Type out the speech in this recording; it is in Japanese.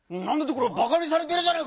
これはバカにされてるじゃないか！